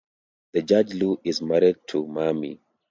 Judge Lew is married to Mamie.